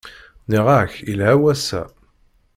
Nniɣ-ak yelha wass-a!